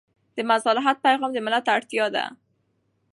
د مصالحت پېغام د ملت اړتیا ده.